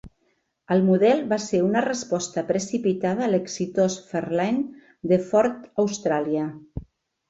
El model va ser una resposta precipitada a l"exitós Fairlane de Ford Austràlia.